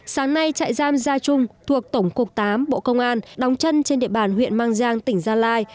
sáng nay trại giam gia trung thuộc tổng cục tám bộ công an đóng chân trên địa bàn huyện mang giang tỉnh gia lai